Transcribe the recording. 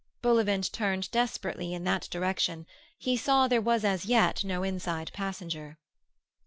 Bullivant turned desperately in that direction. He saw there was as yet no inside passenger.